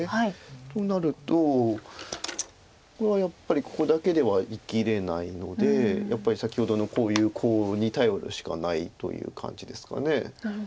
となるとこれはやっぱりここだけでは生きれないのでやっぱり先ほどのこういうコウに頼るしかないという感じですか。